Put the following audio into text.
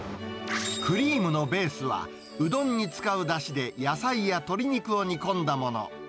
クリームのベースは、うどんに使うだしで、野菜や鶏肉を煮込んだもの。